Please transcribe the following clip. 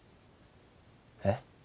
えっ？